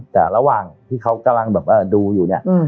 แต่ระหว่างที่เขากำลังแบบว่าดูอยู่เนี่ย